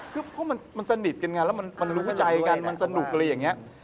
คือเพราะมันสนิทกันไงแล้วมันรู้ใจกันมันสนุกอะไรอย่างนี้